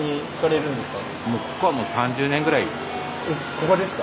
ここですか？